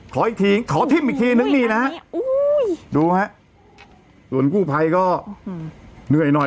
ขออีกทีขอทิ้มอีกทีนึงนี่นะดูฮะส่วนกู้ภัยก็เหนื่อยหน่อย